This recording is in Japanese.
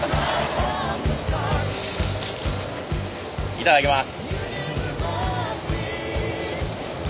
いただきます。